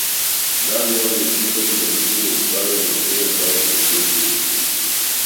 Дали овие сликари навистина успеале да го средат хаосот во својот живот?